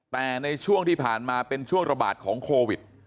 แต่ในช่วงที่ผ่านมาเป็นช่วงระบาดของโควิด